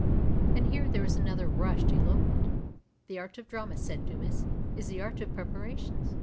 And here there is another " rushed " elopement. " The art of drama," said Dumas, " is the art of preparations."